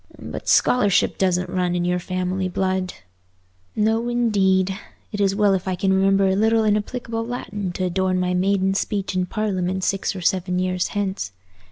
But scholarship doesn't run in your family blood." "No indeed. It's well if I can remember a little inapplicable Latin to adorn my maiden speech in Parliament six or seven years hence.